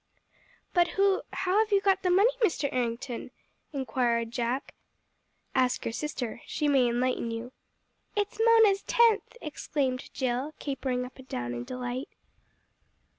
"But who how have you got the money, Mr. Errington?" inquired Jack. "Ask your sister. She may enlighten you." "It is Mona's tenth!" exclaimed Jill, capering up and down in delight.